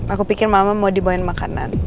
aku pikir mama mau dimain makanan